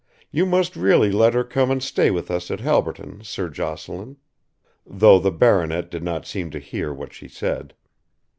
You must really let her come and stay with us at Halberton, Sir Jocelyn," though the baronet did not seem to hear what she said.